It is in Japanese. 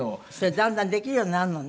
だんだんできるようになるのね。